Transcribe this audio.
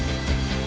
đi đến chân trời nào